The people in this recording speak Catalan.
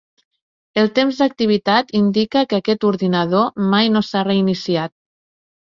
El temps d'activitat indica que aquest ordinador mai no s'ha reiniciat.